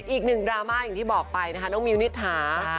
อีกนึงดราม่าเช่นเดียวกี่ที่บอกไปนะคะต้องมีวิคนิทถาม